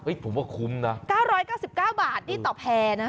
ผมว่าคุ้มนะ๙๙๙บาทนี่ต่อแพรนะ